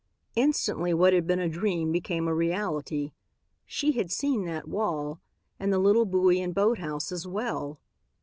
Instantly what had been a dream became a reality. She had seen that wall and the little buoy and boathouse as well.